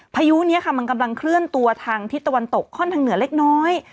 พายุนี้ค่ะมันกำลังเคลื่อนตัวทางทิศตะวันตกคล่อนทางเหนือเล็กน้อย